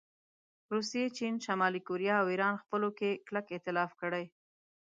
روسیې، چین، شمالي کوریا او ایران خپلو کې کلک ایتلاف کړی